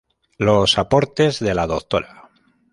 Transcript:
Los aportes de la Dra.